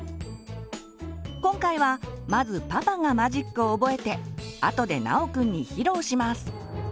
今回はまずパパがマジックを覚えてあとで尚くんに披露します。